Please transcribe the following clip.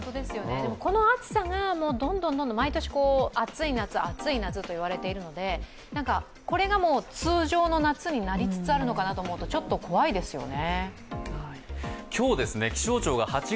この暑さがどんどん毎年、暑い夏暑い夏といわれているのでこれが通常の夏になりつつあるのかなと思うと、ちょっと怖いですよね。